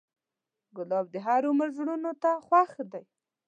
ګلاب د هر عمر زړونو ته خوښ دی.